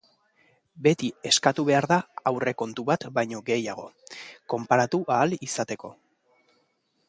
Beti eskatu behar da aurrekontu bat baino gehiago, konparatu ahal izateko.